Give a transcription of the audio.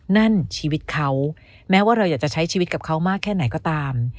นั่นชีวิตเขาแม้ว่าเราอยากจะใช้ชีวิตกับเขามากแค่ไหนก็ตาม